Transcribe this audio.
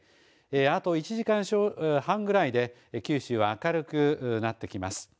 あと１時間半ぐらいで九州は明るくなってきます。